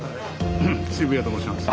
渋谷と申します。